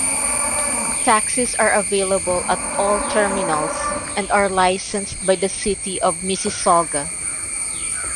Taxis are available at all terminals, and are licensed by the City of Mississauga.